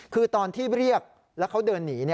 คือตอนที่เรียกแล้วเขาเดินหนี